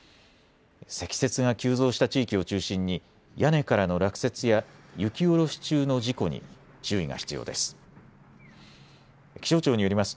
積雪が急増した地域を中心に屋根からの落雪や雪下ろし中の事故に注意が必要です。